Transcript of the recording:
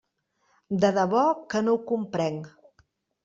De debò que no ho comprenc.